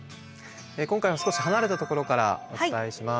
今回は少し離れたところからお伝えします。